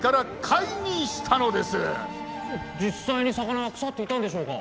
実際に魚は腐っていたんでしょうか？